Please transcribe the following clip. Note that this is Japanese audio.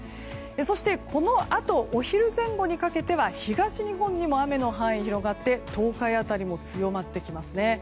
そして、このあとお昼前後にかけては東日本にも雨の範囲が広がって東海辺りも強まってきますね。